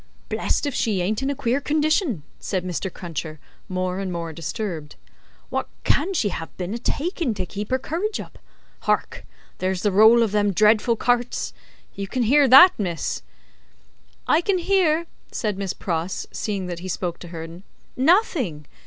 "Blest if she ain't in a queer condition!" said Mr. Cruncher, more and more disturbed. "Wot can she have been a takin', to keep her courage up? Hark! There's the roll of them dreadful carts! You can hear that, miss?" "I can hear," said Miss Pross, seeing that he spoke to her, "nothing.